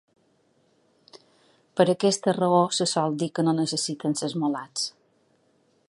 Per aquesta raó se sol dir que no necessiten ser esmolats.